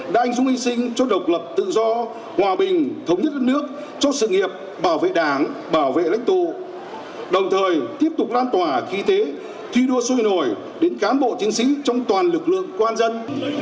đa anh dung hi sinh cho độc lập tự do hòa bình thống nhất đất nước cho sự nghiệp bảo vệ đảng bảo vệ lãnh tụ đồng thời tiếp tục lan tỏa khí tế thi đua xuôi nổi đến cán bộ chiến sĩ trong toàn lực lượng quan dân